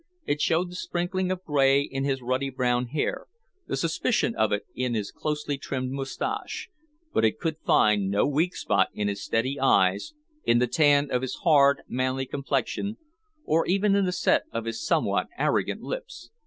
It showed the sprinkling of grey in his ruddy brown hair, the suspicion of it in his closely trimmed moustache, but it could find no weak spot in his steady eyes, in the tan of his hard, manly complexion, or even in the set of his somewhat arrogant lips.